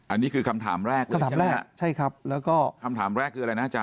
อันนี้คือคำถามแรกใช่ไหมครับคำถามแรกคืออะไรนะอาจารย์